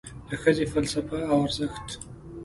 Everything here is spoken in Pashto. د ښځې فلسفه او ارزښت